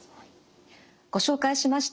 ご紹介しました